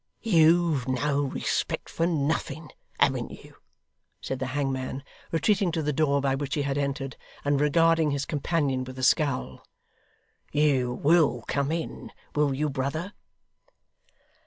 You've no respect for nothing haven't you?' said the hangman, retreating to the door by which he had entered, and regarding his companion with a scowl. 'You WILL come in, will you, brother!